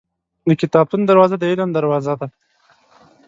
• د کتابتون دروازه د علم دروازه ده.